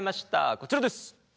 こちらです。